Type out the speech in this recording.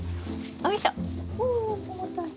よいしょ！